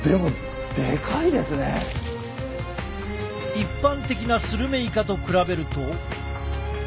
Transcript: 一般的なスルメイカと比べると。